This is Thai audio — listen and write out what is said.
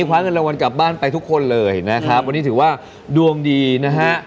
คว้าเงินรางวัลกลับบ้านไปทุกคนเลยนะครับวันนี้ถือว่าดวงดีนะฮะ